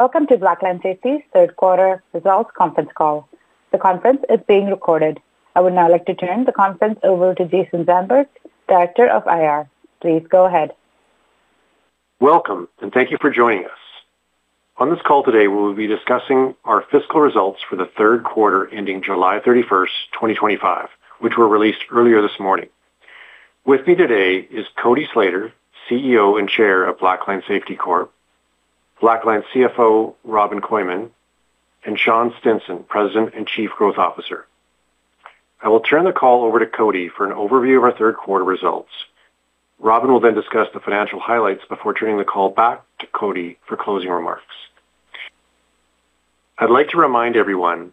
Welcome to BlackLine Safety's Third Quarter Results Conference Call. The conference is being recorded. I would now like to turn the conference over to Jason Zandberg, Director of IR. Please go ahead. Welcome and thank you for joining us. On this call today, we will be discussing our fiscal results for the third quarter ending 07/31/2025, which were released earlier this morning. With me today is Cody Slater, CEO and Chair of BlackLine Safety Corp BlackLine's CFO, Robin Koimon and Sean Stinson, President and Chief Growth Officer. I will turn the call over to Cody for an overview of our third quarter results. Robin will then discuss the financial highlights before turning the call back to Cody for closing remarks. I'd like to remind everyone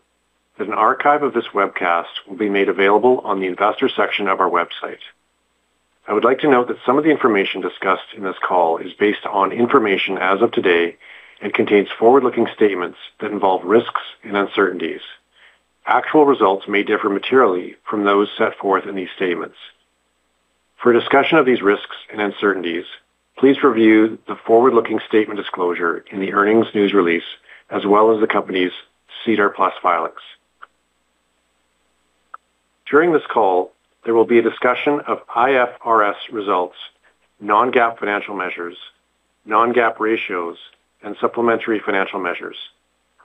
that an archive of this webcast will be made available on the Investors section of our website. I would like to note that some of the information discussed in this call is based on information as of today and contains forward looking statements that involve risks and uncertainties. Actual results may differ materially from those set forth in these statements. For a discussion of these risks and uncertainties, please review the forward looking statement disclosure in the earnings news release as well as the company's SEDAR plus filings. During this call, there will be a discussion of IFRS results, non GAAP financial measures, non GAAP ratios and supplementary financial measures.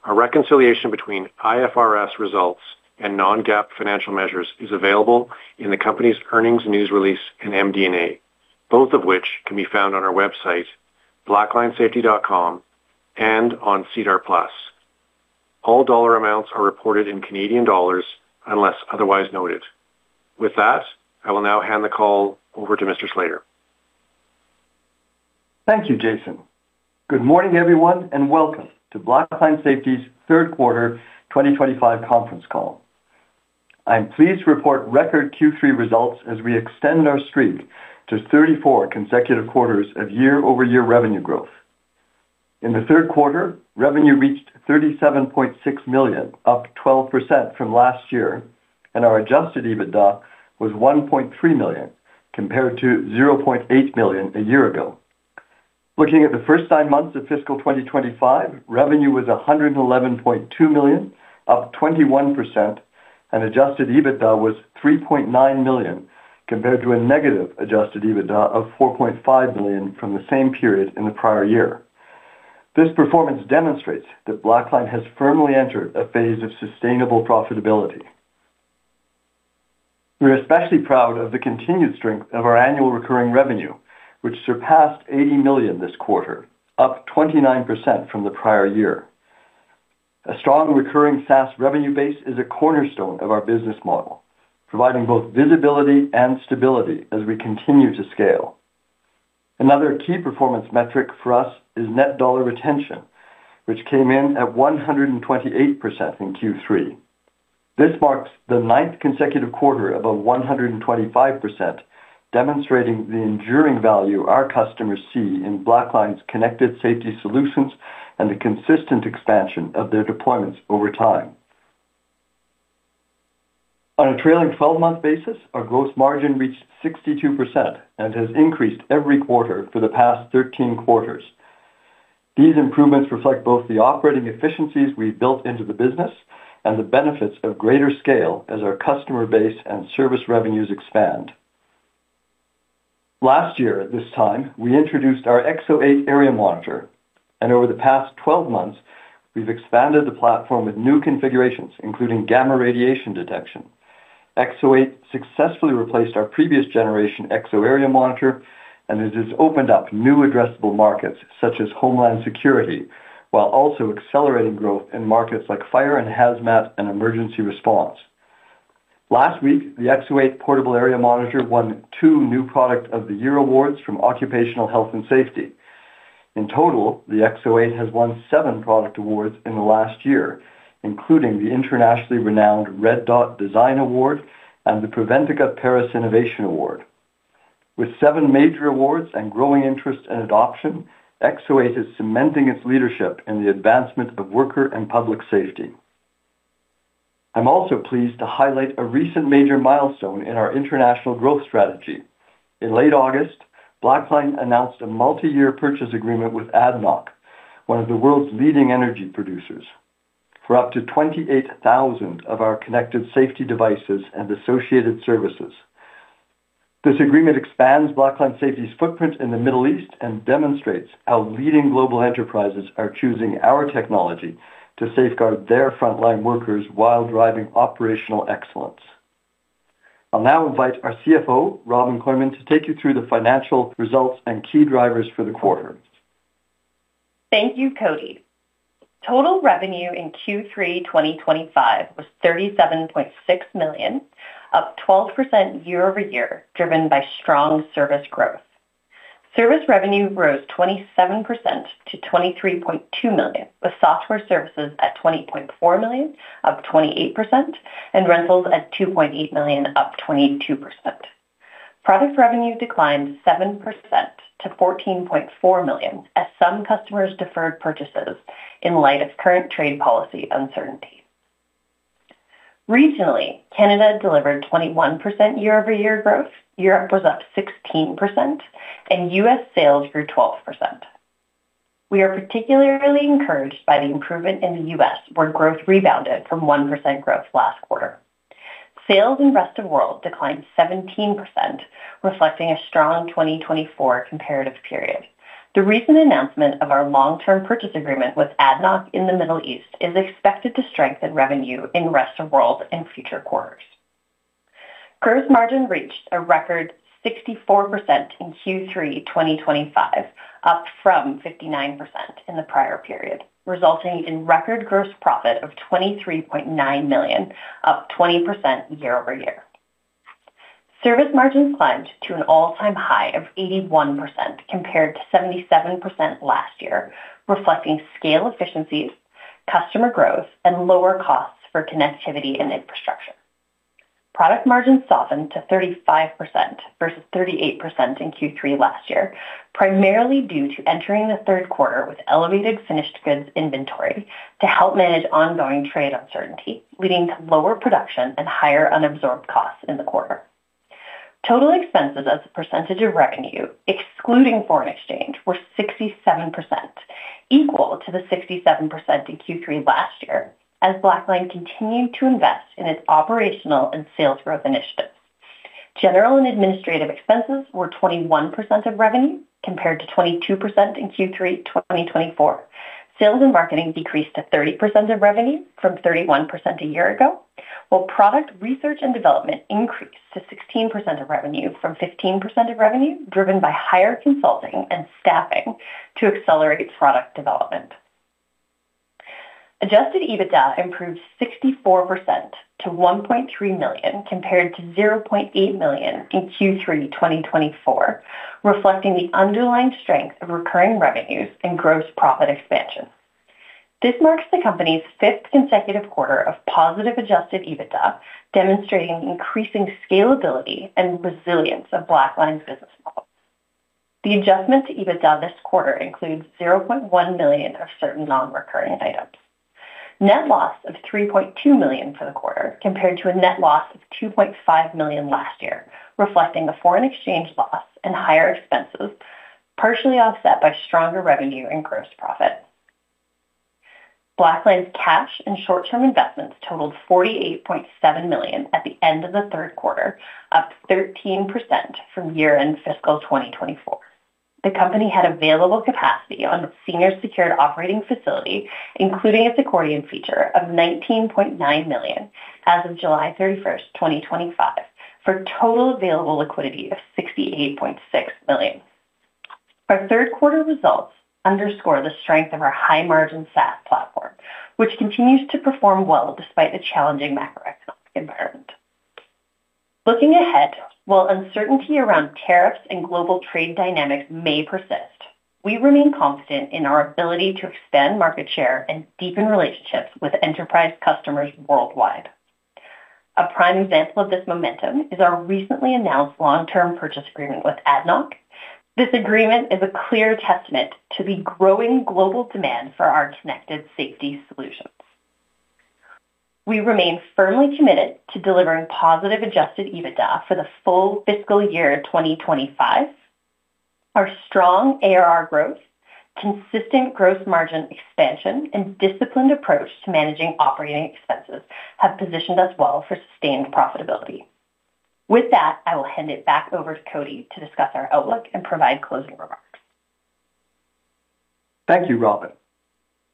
A reconciliation between IFRS results and non GAAP financial measures is available in the company's earnings news release and MD and A, both of which can be found on our website, blacklinesafety.com and on SEDAR plus All dollar amounts are reported in Canadian dollars unless otherwise noted. With that, I will now hand the call over to Mr. Slater. Thank you, Jason. Good morning, everyone, and welcome to Black Pine Safety's third quarter twenty twenty five conference call. I'm pleased to report record Q3 results as we extend our streak to 34 consecutive quarters of year over year revenue growth. In the third quarter, revenue reached 37,600,000 up 12% from last year, and our adjusted EBITDA was $1,300,000 compared to $800,000 a year ago. Looking at the first nine months of fiscal twenty twenty five, revenue was $111,200,000 up 21% and adjusted EBITDA was $3,900,000 compared to a negative adjusted EBITDA of $4,500,000 from the same period in the prior year. This performance demonstrates that BlackLine has firmly entered a phase of sustainable profitability. We're especially proud of the continued strength of our annual recurring revenue, which surpassed $80,000,000 this quarter, up 29% from the prior year. A strong recurring SaaS revenue base is a cornerstone of our business model, providing both visibility and stability as we continue to scale. Another key performance metric for us is net dollar retention, which came in at 128% in Q3. This marks the ninth consecutive quarter of a 125%, demonstrating the enduring value our customers see in BlackLine's connected safety solutions and the consistent expansion of their deployments over time. On a trailing twelve month basis, our gross margin reached 62% and has increased every quarter for the past thirteen quarters. These improvements reflect both the operating efficiencies we've built into the business and the benefits of greater scale as our customer base and service revenues expand. Last year at this time, we introduced our XO8 area monitor. And over the past twelve months, we've expanded the platform with new configurations, including gamma radiation detection. Ekso8 successfully replaced our previous generation Ekso area monitor, and it has opened up new addressable markets such as homeland security, while also accelerating growth in markets like Fire and Hazmat and Emergency Response. Last week, the Portable Area Monitor won two new Product of the Year awards from Occupational Health and Safety. In total, the has won seven product awards in the last year, including the internationally renowned Red Dot Design Award and the Preventica Paris Innovation Award. With seven major awards and growing interest and adoption, Exo8 is cementing its leadership in the advancement of worker and public safety. I'm also pleased to highlight a recent major milestone in our international growth strategy. In late August, BlackLine announced a multi year purchase agreement with ADNOC, one of the world's leading energy producers for up to 28,000 of our connected safety devices and associated services. This agreement expands BlackLine Safety's footprint in The Middle East and demonstrates how leading global enterprises are choosing our technology to safeguard their frontline workers while driving operational excellence. I'll now invite our CFO, Robin Korman, take you through the financial results and key drivers for the quarter. Thank you, Cody. Total revenue in Q3 twenty twenty five was $37,600,000 up 12% year over year, driven by strong service growth. Service revenue rose 27% to $23,200,000 with software services at 20,400,000.0 up 28% and rentals at $2,800,000 up 22%. Product revenue declined 7% to 14,400,000 as some customers deferred purchases in light of current trade policy uncertainty. Regionally, Canada delivered 21% year over year growth, Europe was up 16% and U. S. Sales grew 12%. We are particularly encouraged by the improvement in The U. S. Where growth rebounded from 1% growth last quarter. Sales in Rest Of World declined 17%, reflecting a strong 2024 comparative period. The recent announcement of our long term purchase agreement with ADNOC in The Middle is expected to strengthen revenue in Rest Of World in future quarters. Gross margin reached a record 64% in Q3 twenty twenty five, up from 59% in the prior period, resulting in record gross profit of $23,900,000 up 20% year over year. Service margins climbed to an all time high of 81 compared to 77% last year, reflecting scale efficiencies, customer growth and lower costs for connectivity and infrastructure. Product margins softened to 35% versus 38% in Q3 last year, primarily due to entering the third quarter with elevated finished goods inventory to help manage ongoing trade uncertainty, leading to lower production and higher unabsorbed costs in the quarter. Total expenses as a percentage of revenue, excluding foreign exchange, were 67%, equal to the 67% in Q3 last year as BlackLine continued to invest in its operational and sales growth initiatives. General and administrative expenses were 21% of revenue compared to 22% in Q3 twenty twenty four. Sales and marketing decreased to 30% of revenue from 31% a year ago, while product research and development increased to 16% of revenue from 15 of revenue, driven by higher consulting and staffing to accelerate product development. Adjusted EBITDA improved 64% to $1,300,000 compared to $800,000 in Q3 twenty twenty four, reflecting the underlying strength of recurring revenues and gross profit expansion. This marks the company's fifth consecutive quarter of positive adjusted EBITDA, demonstrating increasing scalability and resilience of BlackLine's business model. The adjustment to EBITDA this quarter includes $100,000 of certain non recurring items. Net loss of $3,200,000 for the quarter compared to a net loss of $2,500,000 last year, reflecting the foreign exchange loss and higher expenses, partially offset by stronger revenue and gross profit. BlackLine's cash and short term investments totaled $48,700,000 at the end of the third quarter, up 13% from year end fiscal twenty twenty four. The company had available capacity on its senior secured operating facility, including its accordion feature of $19,900,000 as of 07/31/2025, for total available liquidity of 68,600,000.0 Our third quarter results underscore the strength of our high margin SaaS platform, which continues to perform well despite the challenging macroeconomic environment. Looking ahead, while uncertainty around tariffs and global trade dynamics may persist, we remain confident in our ability to expand market share and deepen relationships with enterprise customers worldwide. A prime example of this momentum is our recently announced long term purchase agreement with ADNOC. This agreement is a clear testament to the growing global demand for our connected safety solutions. We remain firmly committed to delivering positive adjusted EBITDA for the full fiscal year 2025. Our strong ARR growth, consistent gross margin expansion and disciplined approach to managing operating expenses have positioned us well for sustained profitability. With that, I will hand it back over to Cody to discuss our outlook and provide closing remarks. Thank you, Robin.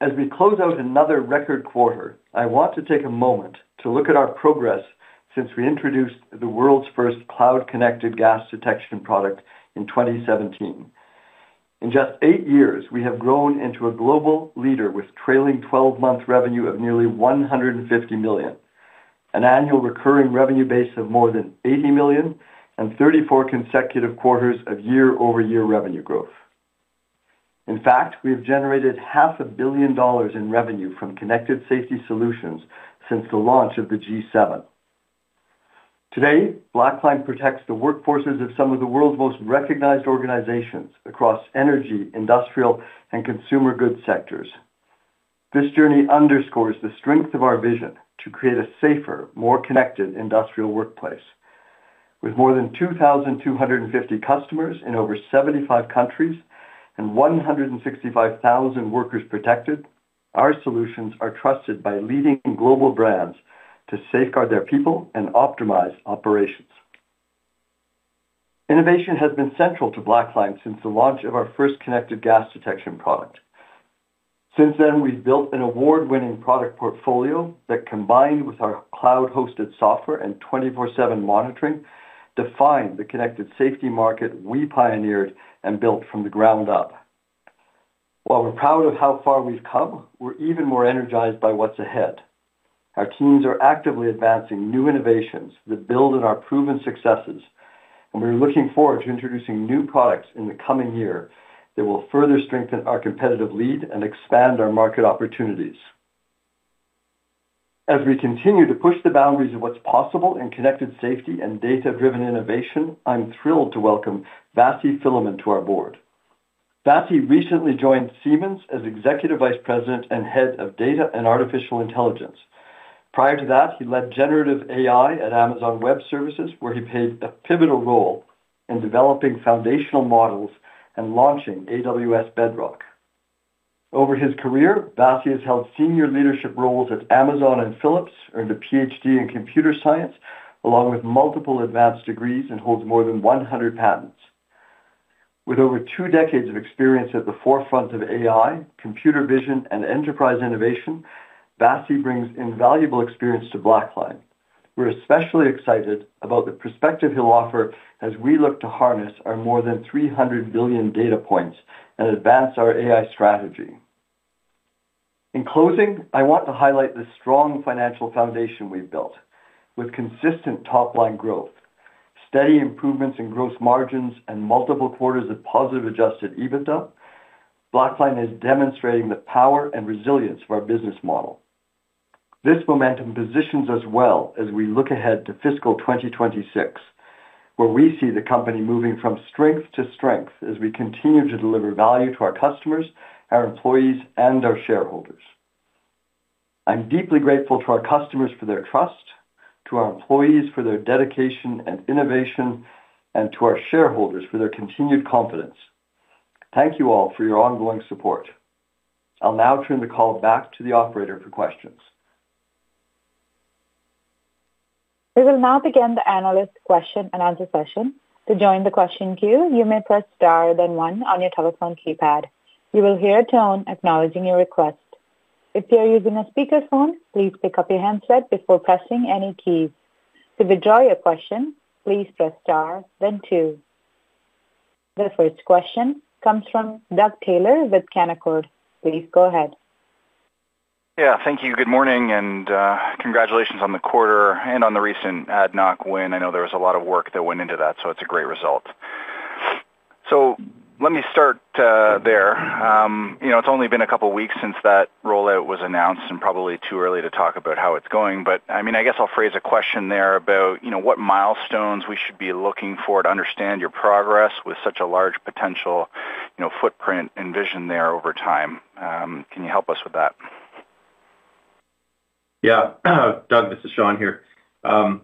As we close out another record quarter, I want to take a moment to look at our progress since we introduced the world's first cloud connected gas detection product in 2017. In just eight years, we have grown into a global leader with trailing twelve month revenue of nearly 150,000,000, an annual recurring revenue base of more than 80,000,000 and thirty four consecutive quarters of year over year revenue growth. In fact, we have generated $500,000,000 in revenue from Connected Safety Solutions since the launch of the G7. Today, BlackLine protects the workforces of some of the world's most recognized organizations across energy, industrial and consumer goods sectors. This journey underscores the strength of our vision to create a safer, more connected industrial workplace. With more than 2,250 customers in over 75 countries and 165,000 workers protected, our solutions are trusted by leading global brands to safeguard their people and optimize operations. Innovation has been central to BlackLine since the launch of our first connected gas detection product. Since then, we've built an award winning product portfolio that combined with our cloud hosted software and 20 fourseven monitoring defined the connected safety market we pioneered and built from the ground up. While we're proud of how far we've come, we're even more energized by what's ahead. Our teams are actively advancing new innovations that build on our proven successes, and we're looking forward to introducing new products in the coming year that will further strengthen our competitive lead and expand our market opportunities. As we continue to push the boundaries of what's possible in connected safety and data driven innovation, I'm thrilled to welcome Vassi Filament to our Board. Vasi recently joined Siemens as Executive Vice President and Head of Data and Artificial Intelligence. Prior to that, he led generative AI at Amazon Web Services, where he played a pivotal role in developing foundational models and launching AWS Bedrock. Over his career, Bassi has held senior leadership roles at Amazon and Philips, earned a PhD in computer science, along with multiple advanced degrees and holds more than 100 patents. With over two decades of experience at the forefront of AI, computer vision and enterprise innovation, Vassy brings invaluable experience to BlackLine. We're especially excited about the perspective he'll offer as we look to harness our more than 300,000,000,000 data points and advance our AI strategy. In closing, I want to highlight the strong financial foundation we've built with consistent top line growth, steady improvements in gross margins and multiple quarters of positive adjusted EBITDA, BlackLine is demonstrating the power and resilience of our business model. This momentum positions us well as we look ahead to fiscal twenty twenty six, where we see the company moving from strength to strength as we continue to deliver value to our customers, our employees and our shareholders. I'm deeply grateful to our customers for their trust, to our employees for their dedication and innovation and to our shareholders for their continued confidence. Thank you all for your ongoing support. I'll now turn the call back to the operator for questions. The first question comes from Doug Taylor with Canaccord. Please go ahead. Yeah, thank you. Good morning and congratulations on the quarter and on the recent ADNOC win. I know there was a lot of work that went into that, so it's a great result. So let me start there. It's only been a couple of weeks since that rollout was announced and probably too early to talk about how it's going. But I mean, I guess I'll phrase a question there about what milestones we should be looking for to understand your progress with such a large potential footprint and vision there over time. Can you help us with that? Yes. Doug, this is Sean here.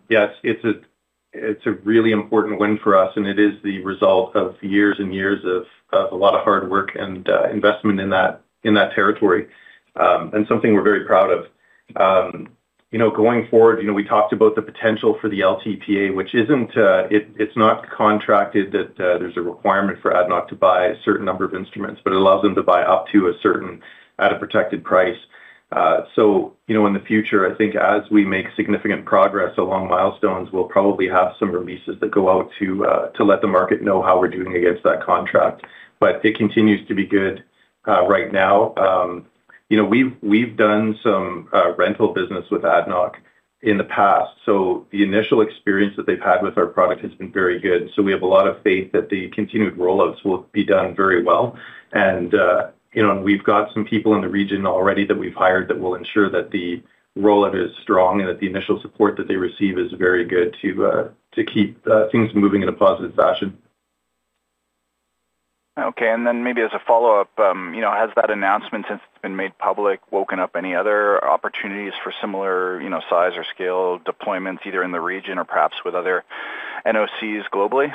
Yes, it's a really important win for us and it is the result of years and years of a lot of hard work and investment in that territory and something we're very proud of. Going forward, we talked about the potential for the LTPA, which isn't it's not contracted that there's a requirement for ADNOC to buy certain number of instruments, but it allows them to buy up to a certain at a protected price. So in the future, I think as we make significant progress along milestones, we'll probably have some releases that go out to let the market know how we're doing against that contract. But it continues to be good right now. We've done some rental business with ADNOC in the past. So the initial experience that they've had with our product has been very good. So we have a lot of faith that the continued rollouts will be done very well. And we've got some people in the region already that we've hired that will ensure that the rollout is strong and that the initial support that they receive is very good to keep things moving in a positive fashion. Okay. And then maybe as a follow-up, has that announcement since it's been made public woken up any other opportunities for similar size or scale deployments either in the region or perhaps with other NOCs globally?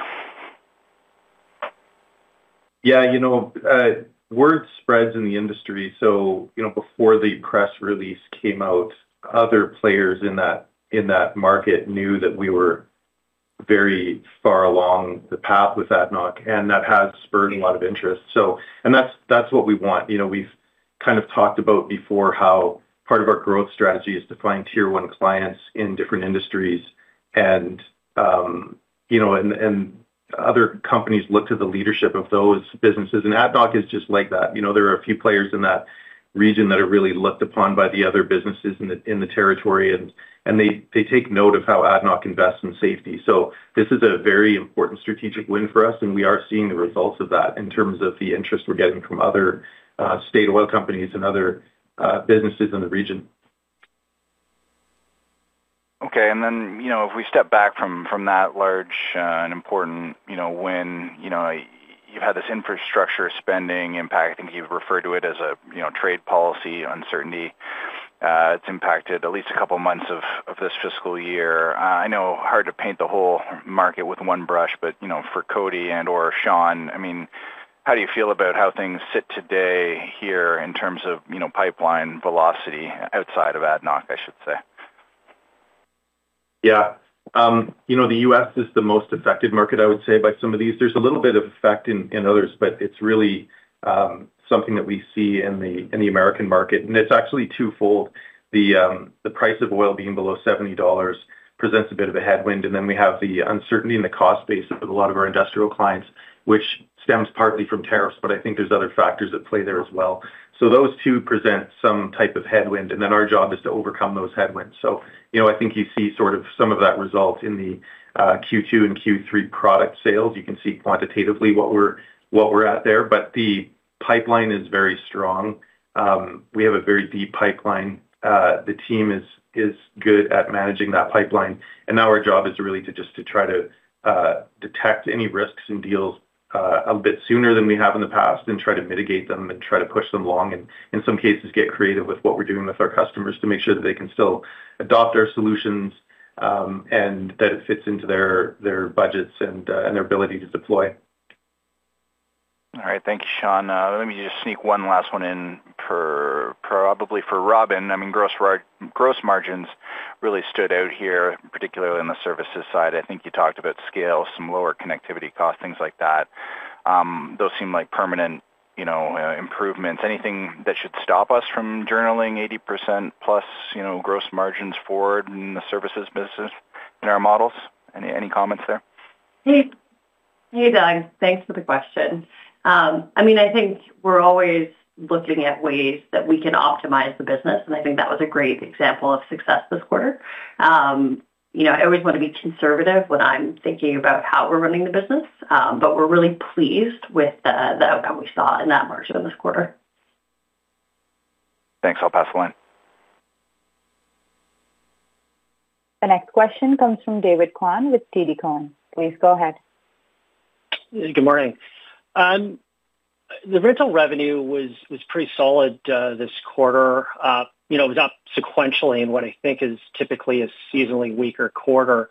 Yes, word spreads in the industry. So before the press release came out, other players in that market knew that we were very far along the path with ADNOC and that has spurred a lot of interest. So and that's what we want. We've kind of talked about before how part of our growth strategy is to find Tier one clients in different industries And other companies look to the leadership of those businesses and ADNOC is just like that. There are a few players in that region that are really looked upon by the other businesses in the territory they take note of how ADNOC invest in safety. So this is a very important strategic win for us and we are seeing the results of that in terms of the interest we're getting from other state oil companies and other businesses in the region. Okay. And then if we step back from that large and important win, you had this infrastructure spending impacting, you referred to it as a trade policy uncertainty. It's impacted at least a couple of months of this fiscal year. I know hard to paint the whole market with one brush, but for Cody and or Sean, I mean, how do you feel about how things sit today here in terms of pipeline velocity outside of ADNOC, I should say? Yes. The U. S. Is the most affected market, I would say, by some of these. There's a little bit of effect in others, but it's really something that we see in the American market. And it's actually twofold. The price of oil being below $70 presents a bit of a headwind. And then we have the uncertainty in the cost base with a lot of our industrial clients, which stems partly from tariffs. But I think there's other factors that play there as well. So those two present some type of headwind and then our job is to overcome those headwinds. So I think you see sort of some of that results in the Q2 and Q3 product sales. You can see quantitatively what at there, but the pipeline is very strong. We have a very deep pipeline. The team is good at managing that pipeline. And now our job is really to just to try to detect any risks and deals a bit sooner than we have in the past and try to mitigate them and try to push them along and in some cases get creative with what we're doing with our customers to make sure that they can still adopt our solutions and that it fits into their budgets and their ability to deploy. All right. Thank you, Sean. Let me just sneak one last one in for probably for Robin. Mean, margins really stood out here, particularly in the services side. I think you talked about scale, some lower connectivity costs, things like that. Those seem like permanent improvements. Anything that should stop us from journaling 80% plus gross margins forward in the services business in our models? Any comments there? Doug. Thanks for the question. I mean, I think we're always looking at ways that we can optimize the business, and I think that was a great example of success this quarter. I always want to be conservative when I'm thinking about how we're running the business, but we're really pleased with the outcome we saw in that margin this quarter. The next question comes from David Kwan with TD Cowen. Please go ahead. Good morning. The rental revenue was pretty solid this quarter. It was up sequentially in what I think is typically a seasonally weaker quarter.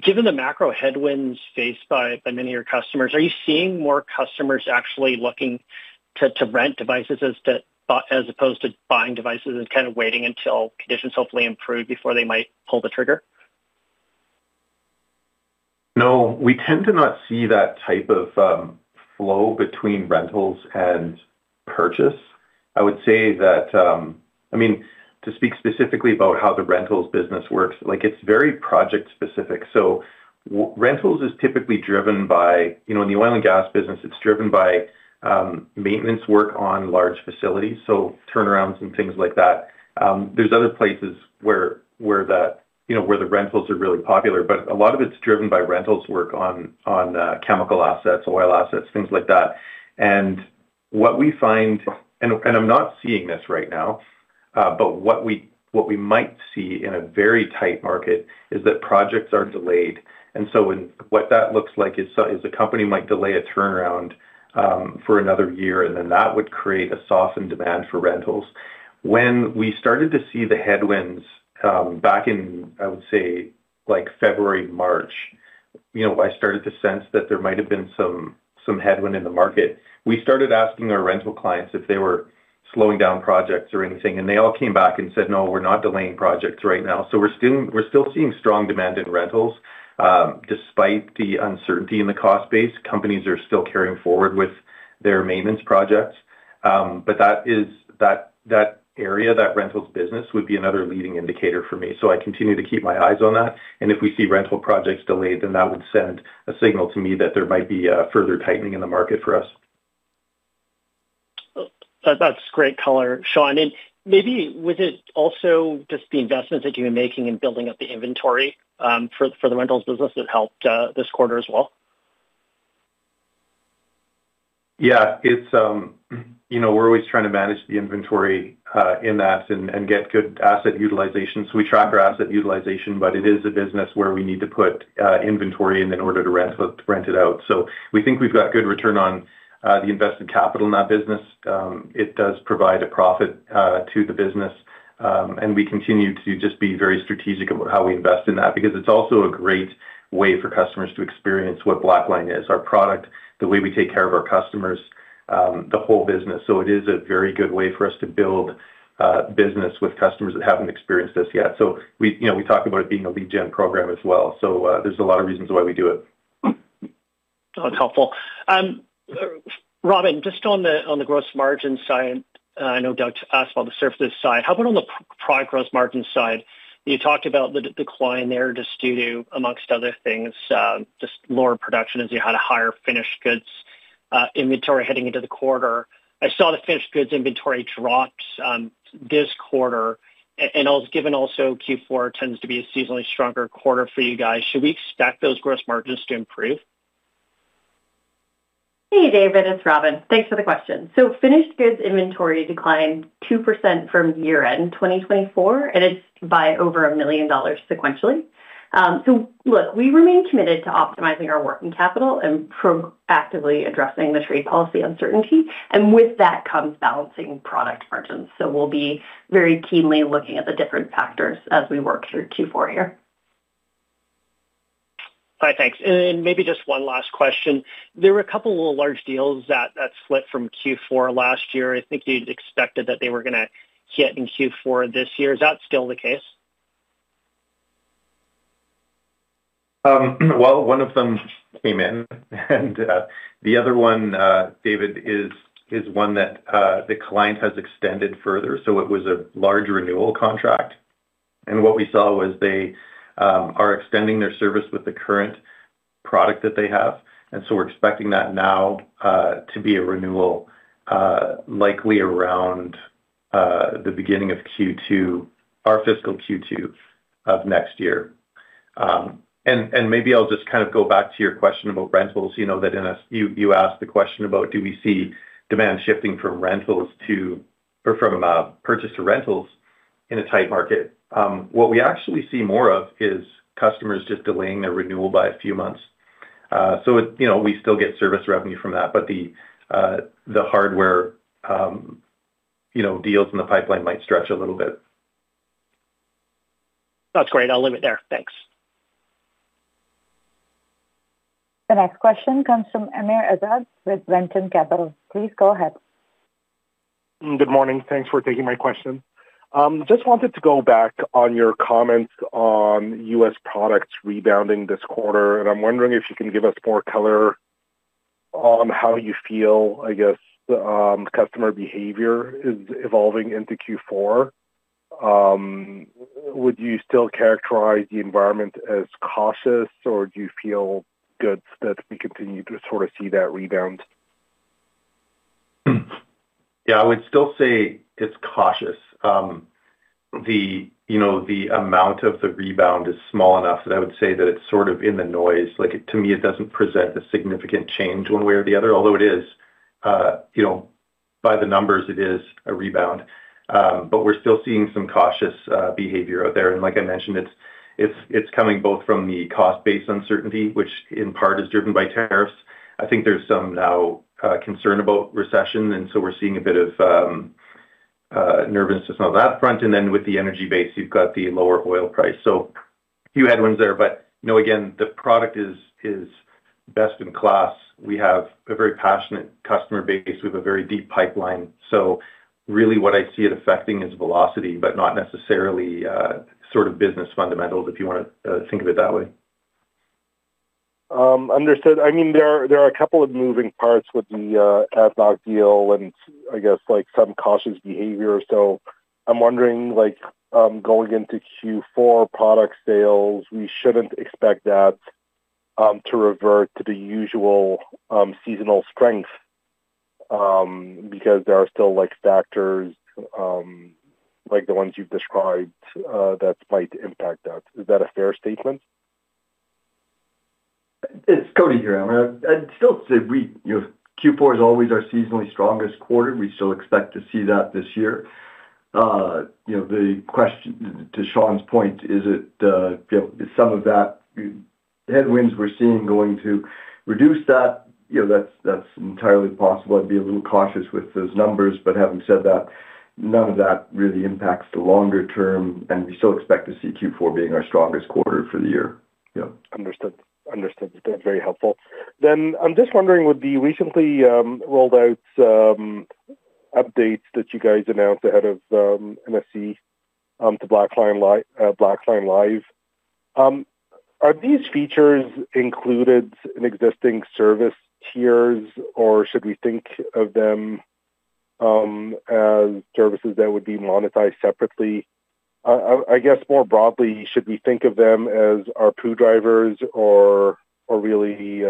Given the macro headwinds faced by many of your customers, are you seeing more customers actually looking to rent devices as opposed to buying devices and kind of waiting until conditions hopefully improve before they might pull the trigger? No, we tend to not see that type of flow between rentals and purchase. I would say that, I mean, to speak specifically about how the rentals business works, like it's very project specific. So rentals is typically driven by in the oil and gas business, it's driven by maintenance work on large facilities. So turnarounds and things like that. There's other places where the rentals are really popular, but a lot of it's driven by rentals work on chemical assets, oil assets, things like that. And what we find and I'm not seeing this right now, but what we might see in a very tight market is that projects are delayed. And so what that looks like is the company might delay a turnaround for another year and then that would create a softened demand for rentals. When we started to see the headwinds back in, I would say, like February, March, I started to sense that there might have been some headwind in the market. We started asking our rental clients if they were slowing down projects or anything. And they all came back and said, no, we're not delaying projects right now. So still seeing strong demand in rentals. Despite the uncertainty in the cost base, companies are still carrying forward with their maintenance projects. But that is that area, that rentals business would be another leading indicator for me. So I continue to keep my eyes on that. And if we see rental projects delayed, then that would send a signal to me that there might be further tightening in the market for us. That's great color, Sean. And maybe was it also just the investments that you're making in building up the inventory for the rentals business that helped this quarter as well? Yes. It's we're always trying to manage the inventory in that and get good asset utilization. So we track our asset utilization, but it is a business where we need to put inventory in order to rent it out. So we think we've got good return on the invested capital in that business. It does provide a profit to the business. And we continue to just be very strategic about how we invest in that because it's also a great way for customers to experience what BlackLine is, our product, the way we take care of our customers, the whole business. So it is a very good way for us to build business with customers that haven't experienced this yet. So we talked about it being a lead gen program as well. So there's a lot of reasons why we do it. That's helpful. Robin, just on the gross margin side, no doubt asked on the surface side. How about on the product gross margin side? You talked about the decline there just due to amongst other things, just lower production as you had a higher finished goods inventory heading into the quarter. I saw the finished goods inventory drops this quarter. And given also Q4 tends to be a seasonally stronger quarter for you guys, should we expect those gross margins to improve? David, it's Robin. Thanks for the question. So finished goods inventory declined 2% from year end 2024 and it's by over $1,000,000 sequentially. So look, we remain committed to optimizing our working capital and proactively addressing the trade policy uncertainty. And with that comes balancing product margins. So we'll be very keenly looking at the different factors as we work through Q4 here. All right. Thanks. And then maybe just one last question. There were a couple of large deals that slipped from Q4 last year. I think you'd expected that they were going to hit in Q4 this year. Is that still the case? Well, one of them came in. And the other one, David, is one that the client has extended further. So it was a large renewal contract. And what we saw was they are extending their service with the current product that they have. And so we're expecting that now to be a renewal likely around the beginning of Q2 our fiscal Q2 of next year. And maybe I'll just kind of go back to your question about rentals that in a you asked the question about do we see demand shifting from rentals to from a purchase to rentals in a tight market. What we actually see more of is customers just delaying their renewal by a few months. So we still get service revenue from that, but the hardware deals in the pipeline might stretch a little bit. That's great. I'll leave it there. Thanks. The next question comes from Amir Adad with Renton Capital. Please go ahead. Good morning. Thanks for taking my question. Just wanted to go back on your comments on U. S. Products rebounding this quarter. And I'm wondering if you can give us more color on how you feel, I guess, customer behavior is evolving into Q4. Would you still characterize the environment as cautious? Or do you feel good that we continue to sort of see that rebound? Yes. I would still say it's cautious. The amount of the rebound is small enough that I would say that it's sort of in the noise like to me it doesn't present a significant change one way or the other, although it is by the numbers it is a rebound. But we're still seeing some cautious behavior out there. And like I mentioned, it's coming both from the cost base uncertainty, which in part is driven by tariffs. I think there's some now concern about recession. And so we're seeing a bit of nervousness on that front. And then with the energy base, you've got the lower oil price. So few headwinds there. But again, the product is best in class. We have a very passionate customer base. We have a very deep pipeline. So really what I see it affecting is velocity, but not necessarily sort of business fundamentals, if you want to think of it that way. Understood. I mean there are a couple of moving parts with the Athletic deal and I guess like some cautious behavior. So I'm wondering like going into Q4 product sales, we shouldn't expect that to revert to the usual seasonal strength because there are still like factors like the ones you've described that might impact that. Is that a fair statement? It's Cody here. Mean, I'd still say we Q4 is always our seasonally strongest quarter. We still expect to see that this year. The question to Sean's point, is it some of that headwinds we're seeing going to reduce that, that's entirely possible. I'd be a little cautious with those numbers. But having said that, none of that really impacts the longer term, and we still expect to see Q4 being our strongest quarter for the year. Understood. Understood. That's very helpful. Then I'm just wondering with the recently rolled out updates that you guys announced ahead of MSC to BlackLine Live, Are these features included in existing service tiers? Or should we think of them as services that would be monetized separately? I guess more broadly, should we think of them as ARPU drivers or really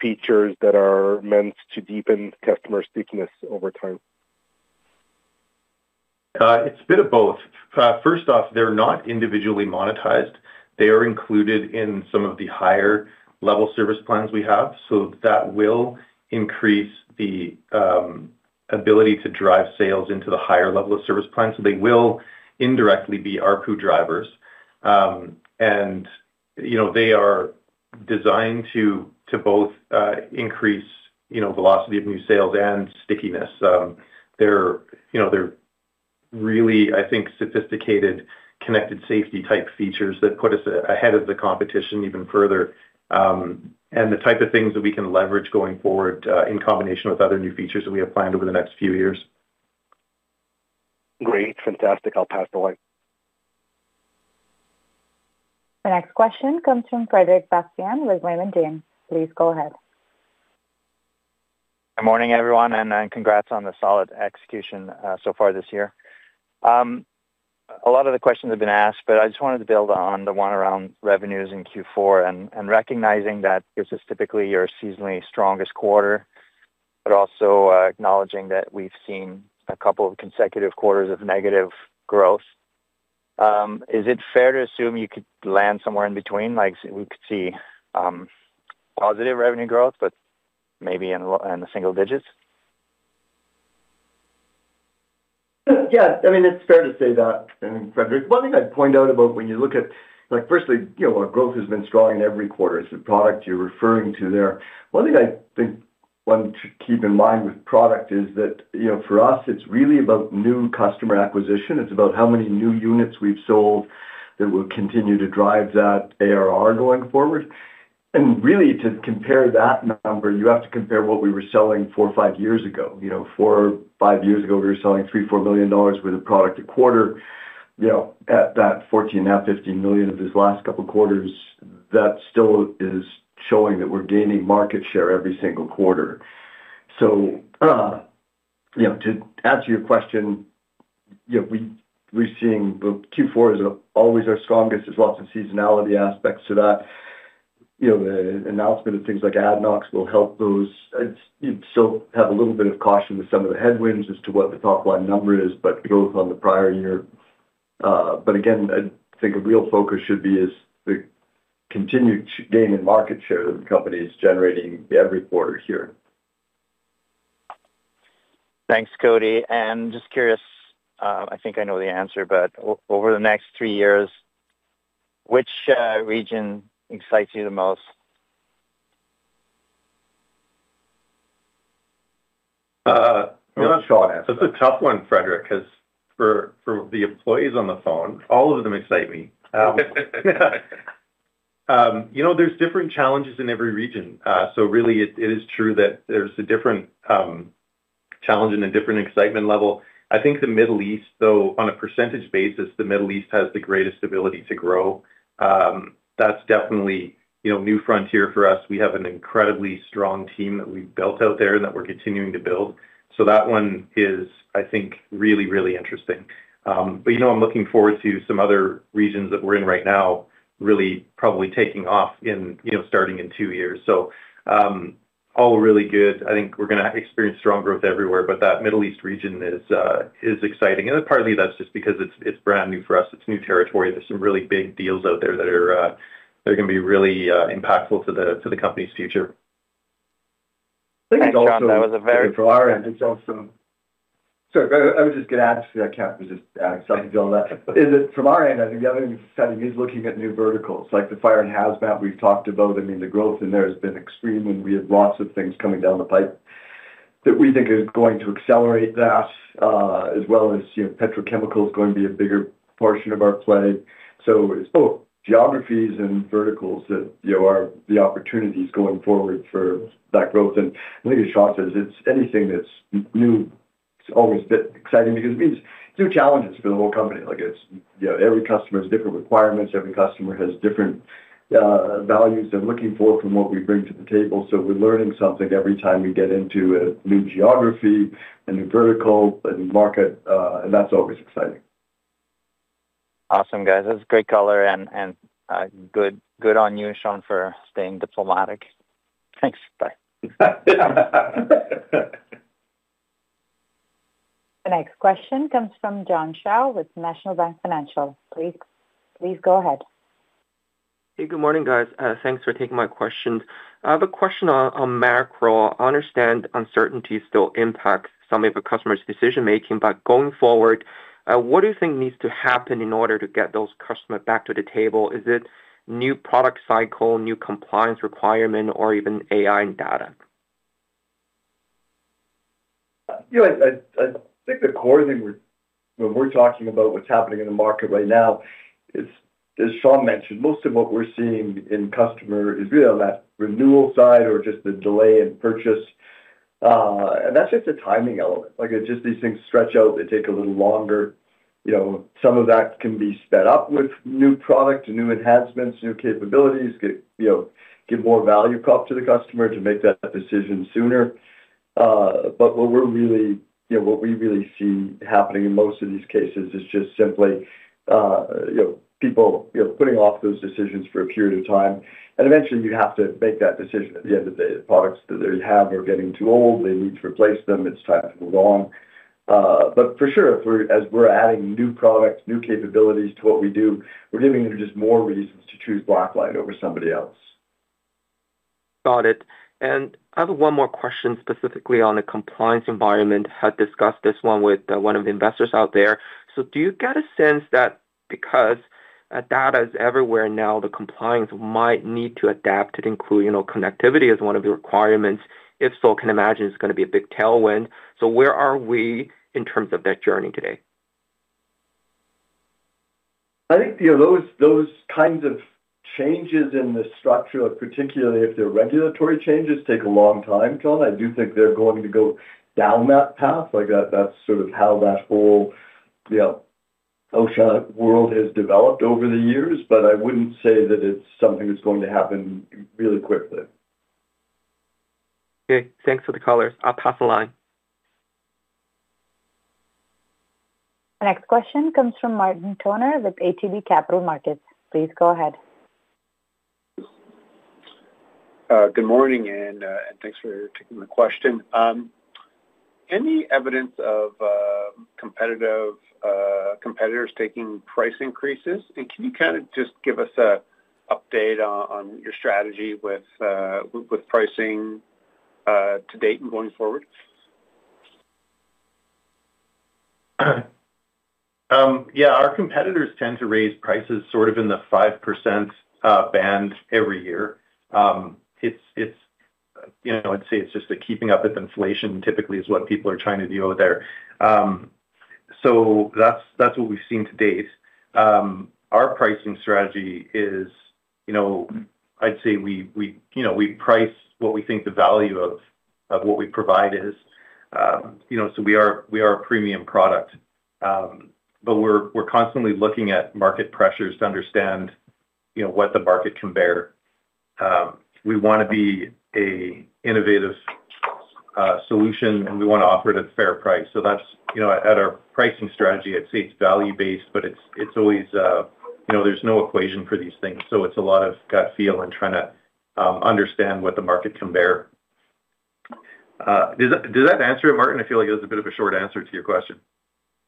features that are meant to deepen customer stickiness over time? It's a bit of both. First off, they're not individually monetized. They are included in some of the higher level service plans we have. So that will increase the ability to drive sales into the higher level of service plans. So they will indirectly be ARPU drivers. And they are designed to both increase velocity of new sales and stickiness. They're really, I think, sophisticated connected safety type features that put us ahead of the competition even further. And the type of things that we can leverage going forward in combination with other new features that we have planned over the next few years. Great. Fantastic. I'll pass the line. The next question comes from Frederic Bastien with Raymond James. Please go ahead. Morning, everyone, and congrats on the solid execution so far this year. A lot of the questions have been asked, but I just wanted to build on the one around revenues in Q4 and recognizing that this is typically your seasonally strongest quarter, but also acknowledging that we've seen a couple of consecutive quarters of negative growth. Is it fair to assume you could land somewhere in between, like we could see positive revenue growth, but maybe in single digits? Yes. I mean, it's fair to say that, Frederic. One thing I'd point out about when you look at like firstly, our growth has been strong in every quarter. It's the product you're referring to there. One thing I think one should keep in mind with product is that for us, it's really about new customer acquisition. It's about how many new units we've sold that will continue to drive that ARR going forward. And really to compare that number, you have to compare what we were selling four, five years ago. Four, five years ago, were selling 3,000,004 million dollars worth of product a quarter. At that $14.5.15000000 dollars of these last couple of quarters, that still is showing that we're gaining market share every single quarter. So to answer your question, we're seeing Q4 is always our strongest. There's lots of seasonality aspects to that. The announcement of things like ADNOX will help those You'd still have a little bit of caution with some of the headwinds as to what the top line number is, but it goes on the prior year. But again, think a real focus should be as the continued gain in market share that the company is generating every quarter here. Thanks, Cody. And just curious, I think I know the answer, but over the next three years, which region excites you the most? It's a tough one, Frederic, because for the employees on the phone, all of them excite me. There's different challenges in every region. So really it is true that there's a different challenge and a different excitement level. I think The Middle East though on a percentage basis, The Middle East has the greatest ability to grow. That's definitely new frontier for us. We have an incredibly strong team that we've built out there that we're continuing to build. So that one is I think really, really interesting. But I'm looking forward to some other regions that we're in right now really probably taking off in starting in two years. So all really good. I think we're going to experience strong growth everywhere, but that Middle East region is exciting. Partly that's just because it's brand new for us. It's new territory. There's some really big deals out there that are going to be really impactful to the company's future. Thanks, John. That was a very good answer. So I was just going to add to that, Ken, but just add something to that. From our end, think the other thing is looking at new verticals like the fire and hazmat we've talked about. I mean, the growth in there has been extremely, we have lots of things coming down the pipe that we think is going to accelerate that as well as petrochemical is going to be a bigger portion of our play. So it's both geographies and verticals that are the opportunities going forward for that growth. And I think as Sean says, it's anything that's new, it's always exciting because it means new challenges for the whole company. Like it's every customer has different requirements, every customer has different values and looking forward from what we bring to the table. So we're learning something every time we get into a new geography, a new vertical, a new market, and that's always exciting. Awesome, guys. That's great color and good on you, Sean, for staying diplomatic. Thanks. Bye. The next question comes from John Chao with National Bank Financial. Please go ahead. Hey, good morning, guys. Thanks for taking my questions. I have a question on macro. I understand uncertainties still impact some of the customers' decision making. But going forward, what do you think needs to happen in order to get those customers back to the table? Is it new product cycle, new compliance requirement or even AI and data? I think the core thing we're talking about what's happening in the market right now is, as Sean mentioned, most of what we're seeing in customer is really on that renewal side or just the delay in purchase. And that's just a timing element, like it's just these things stretch out, they take a little longer. Some of that can be sped up with new product, new enhancements, new capabilities, give more value prop to the customer to make that decision sooner. But what we're really what we really see happening in most of these cases is just simply people putting off those decisions for a period of time. And I mentioned you have to make that decision at the end of day. The products that they have are getting too old. They need to replace them. It's time to move on. But for sure, as we're adding new products, new capabilities to what we do, we're giving them just more reasons to choose Blacklight over somebody else. Got it. And I have one more question specifically on the compliance environment. I discussed this one with one of the investors out there. So do you get a sense that because data is everywhere now, the compliance might need to adapt to include connectivity as one of the requirements. If so, can imagine it's going to be a big tailwind. So where are we in terms of that journey today? I think those kinds of changes in the structure, particularly if they're regulatory changes, take a long time, John. I do think they're going to go down that path like that's sort of how that whole oceanic world has developed over the years, but I wouldn't say that it's something that's going to happen really quickly. Okay. Thanks for the color. I'll pass the line. Next question comes from Martin Toner with ATB Capital Markets. Please go ahead. Good morning and thanks for taking the question. Any evidence of competitors taking price increases? And can you kind of just give us an update on your strategy with pricing to date and going forward? Yes. Our competitors tend to raise prices sort of in the 5% band every year. It's I'd say it's just a keeping up of inflation typically is what people are trying to deal with there. So that's what we've seen to date. Our pricing strategy is I'd say we price what we think the value of what we provide is. So we are a premium product. But we're constantly looking at market pressures to understand what the market can bear. We want to be an innovative solution and we want to offer it at fair price. So that's at our pricing strategy, I'd say it's value based, but it's always there's no equation for these things. So it's a lot of gut feel and trying to understand what the market can bear. Does that answer it, Martin? I feel like it was a bit of a short answer to your question.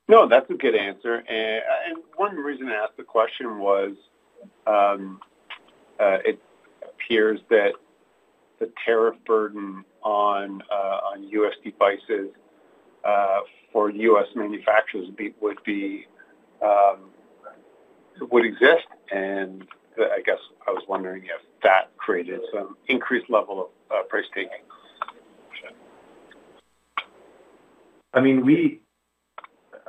No, that's a good answer. And one reason I asked the question was, appears that the tariff burden on U. S. Devices for U. S. Manufacturers would be would exist and I guess I was wondering if that created some increased level of price taking? I mean,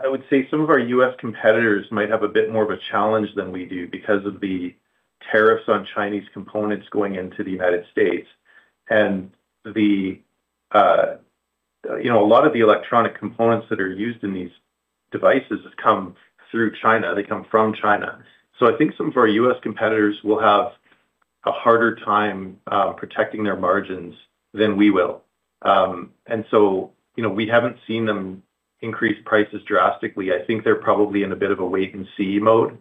I would say some of our U. S. Competitors might have a bit more of a challenge than we do because of the tariffs on Chinese components going into The United States. And the lot of the electronic components that are used in these devices have come through China, they come from China. So I think some of our U. S. Competitors will have a harder time protecting their margins than we will. And so we haven't seen them increase prices drastically. I think they're probably in a bit of a wait and see mode,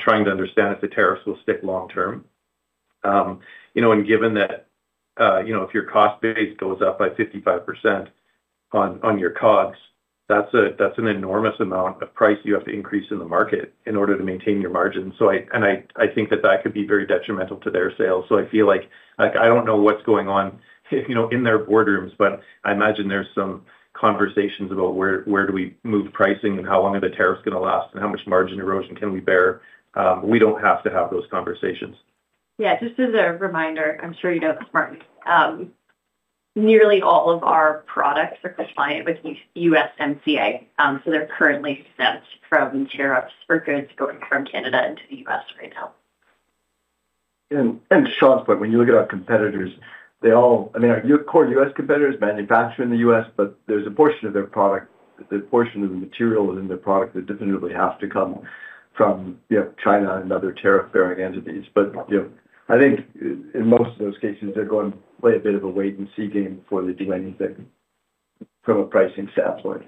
trying to understand if the tariffs will stick long term. And given that if your cost base goes up by 55% on your COGS, that's an enormous amount of price you have to increase in the market in order to maintain your margin. So I and I think that that could be very detrimental to their sales. So I feel like I don't know what's going in their boardrooms, but I imagine there's some conversations about where do we move pricing and how long are the tariffs going to last and how much margin erosion can we bear. We don't have to have those conversations. Yes, just as a reminder, I'm sure you know this, Martin. Nearly all of our products are compliant with U. S. MCA. So they're currently exempt from tariffs for goods going from Canada into The U. S. Right now. And Sean's point, when you look at our competitors, they all I mean, our core U. Competitors manufacture in The U. S, but there's a portion of their product, the portion of the material within their product that definitively have to come from China and other tariff bearing entities. But I think in most of those cases, they're going to play a bit of a wait and see game before they do anything from a pricing standpoint.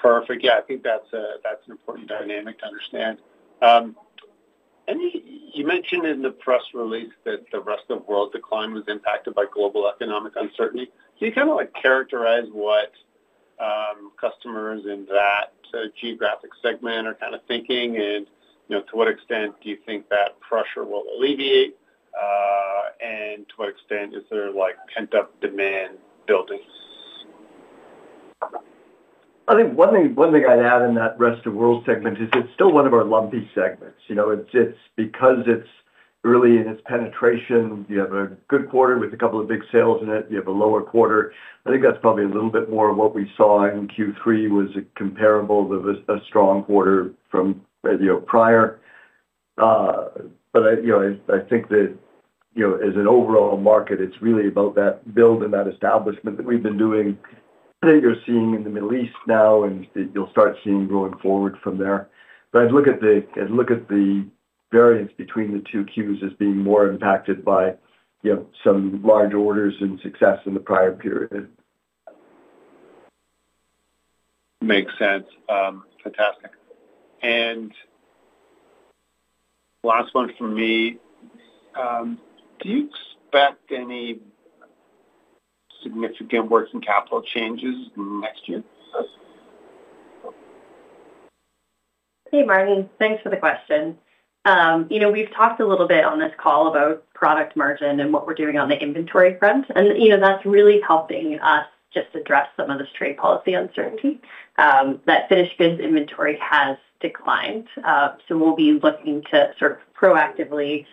Perfect. Yes, I think that's an important dynamic to understand. And you mentioned in the press release that the rest of world decline was impacted by global economic uncertainty. Can you kind of like characterize what customers in that geographic segment are kind of thinking? And to what extent do you think that pressure will alleviate? And to what extent is there like pent up demand building? I think one I'd add in that Rest of World segment is it's still one of our lumpy segments. It's because it's really in its penetration, you have a good quarter with a couple of big sales in it, you have a lower quarter. I think that's probably a little bit more of what we saw in Q3 was comparable to a strong quarter from prior. But I think that as an overall market, it's really about that build and that establishment that we've been doing. I think you're seeing in The Middle East now and you'll start seeing going forward from there. But I'd look the variance between the two Qs is being more impacted by some large orders and success in the prior period. Makes sense. Fantastic. And last one for me. Do you expect any significant working capital changes next year? Hey, Martin. Thanks for the question. We've talked a little bit on this call about product margin and what we're doing on the inventory front. And that's really helping us just address some of this trade policy uncertainty that finished goods inventory has declined. So we'll be looking to sort of proactively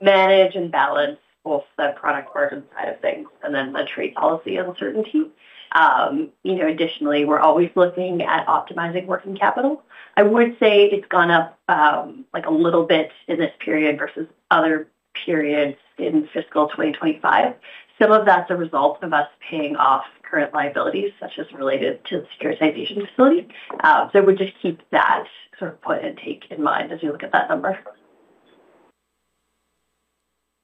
manage and balance both the product margin side of things and then the trade policy uncertainty. Additionally, we're always looking at optimizing working capital. I would say it's gone up like a little bit in this period versus other periods in fiscal twenty twenty five. Some of that's a result of us paying off current liabilities such as related to securitization facility. So we just keep that sort of put and take in mind as you look at that number.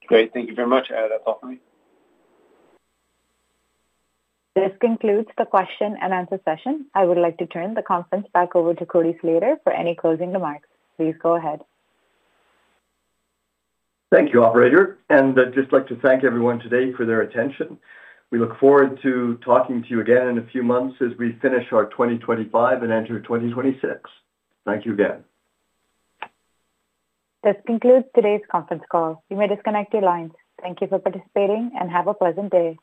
Great. Thank you very much. That's all for me. This concludes the question and answer session. I would like to turn the conference back over to Cody Slater for any closing remarks. Please go ahead. Thank you, operator. And I'd just like to thank everyone today for their attention. We look forward to talking to you again in a few months as we finish our 2025 and enter 2026. Thank you again. This concludes today's conference call. You may disconnect your lines. Thank you for participating and have a pleasant day.